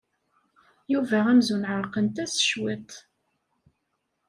Yuba amzun ɛerqent-as cwiṭ.